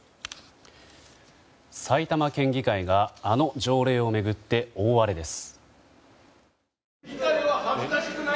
埼玉県議会があの条例を巡って大荒れです。